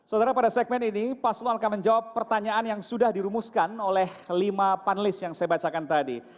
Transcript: saudara pada segmen ini paslon akan menjawab pertanyaan yang sudah dirumuskan oleh lima panelis yang saya bacakan tadi